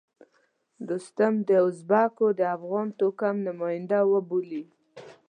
دوستم د ازبکو د افغان توکم نماینده وبولي.